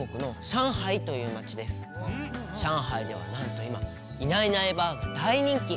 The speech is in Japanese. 上海ではなんといま「いないいないばあっ！」が大人気！